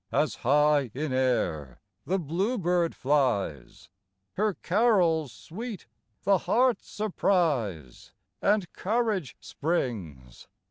As high in air the bluebird flies, Her carols sweet the heart surprise, And courage springs.